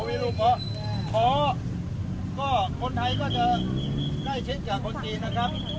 มีรูปเบาะเผาะก็คนไทยก็จะได้เช็ดกับคนจีนนะครับ